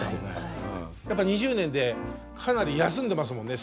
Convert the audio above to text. やっぱ２０年でかなり休んでますもんね